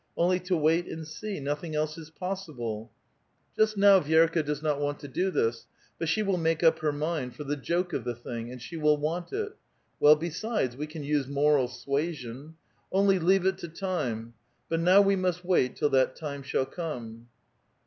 Only to wait and see, — nothing else is possible ! Just now Vi^rka does not want to do this; but she will make up lier mind for the joke of the thing, and she will want it. Well, besides, we can use moral suasion. Only leave it to time ! But now we must wait till that time shall come."